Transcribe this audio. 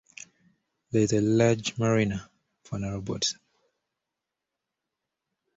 There is a large marina for narrowboats.